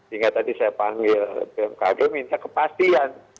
hingga tadi saya panggil bmkg minta kepastian